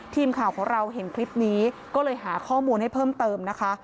ทีมข่าวของเราเห็นคลิปนี้ก็เลยหาข้อมูลให้เพิ่มเติมนะคะ